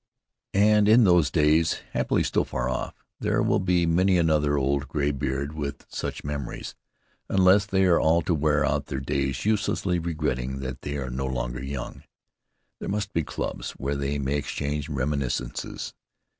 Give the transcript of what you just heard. And in those days, happily still far off, there will be many another old gray beard with such memories; unless they are all to wear out their days uselessly regretting that they are no longer young, there must be clubs where they may exchange reminiscences.